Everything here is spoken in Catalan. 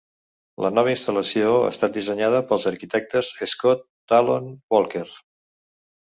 La nova instal·lació ha estat dissenyada pels arquitectes Scott Tallon Walker.